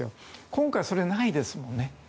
今回はそれがないですもんね。